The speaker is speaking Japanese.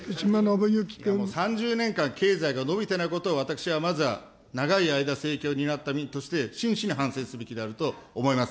もう３０年間、経済が伸びてないことを、私はまずは長い間、政権を担った身として真摯に反省すべきであると思います。